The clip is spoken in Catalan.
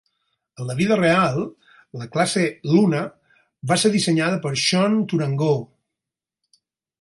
En la vida real, la classe "Luna" va ser dissenyada per Sean Tourangeau.